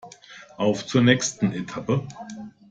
Auf zur nächsten Etappe!